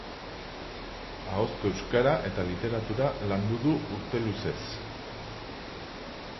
Ahozko euskara eta literatura landu du urte luzez.